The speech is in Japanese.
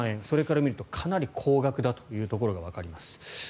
それから見るとかなり高額だというところがわかります。